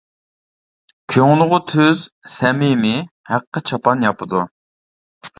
كۆڭلىغۇ تۈز، سەمىمىي، ھەققە چاپان ياپىدۇ.